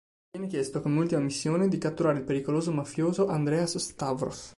Gli viene chiesto, come ultima missione, di catturare il pericoloso mafioso Andreas Stavros.